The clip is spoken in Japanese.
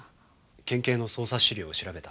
県警の捜査資料を調べた。